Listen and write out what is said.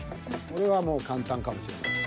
これはもう簡単かもしれません。